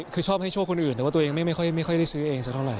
คือชอบให้โชคคนอื่นแต่ว่าตัวเองไม่ค่อยได้ซื้อเองสักเท่าไห